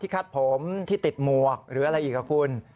ที่คัดผมที่ติดหมวกหรืออะไรกับคุณ